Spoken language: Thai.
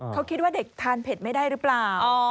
เขาคิดว่าเด็กทานเผ็ดไม่ได้หรือเปล่า